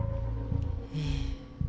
ええ。